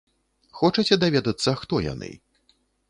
Хочаце даведацца, хто яны?